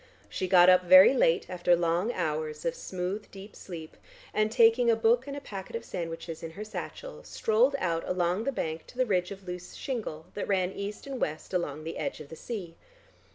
She got up very late after long hours of smooth deep sleep, and taking a book and a packet of sandwiches in her satchel strolled out along the bank to the ridge of loose shingle that ran east and west along the edge of the sea.